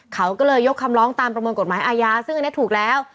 เขาก็เลยยกคำร้องตามประมวลกฎหมายอาญาซึ่งอันนี้ถูกแล้ว